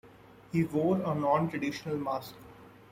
He wore a non-traditional mask.